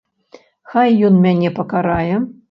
Хай ён мяне пакарае!